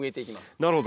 なるほど。